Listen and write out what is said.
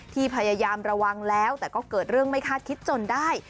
พยายามระวังแล้วแต่ก็เกิดเรื่องไม่คาดคิดจนได้